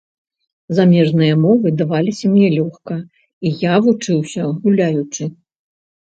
Замежныя мовы даваліся мне лёгка, і я вучыўся гуляючы.